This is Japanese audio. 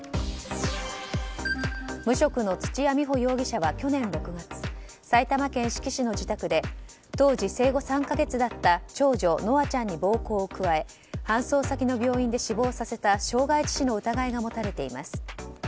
無職の土屋美保容疑者は去年６月埼玉県志木市の自宅で当時生後３か月だった長女・夢愛ちゃんに暴行を加え搬送先の病院で死亡させた傷害致死の疑いが持たれています。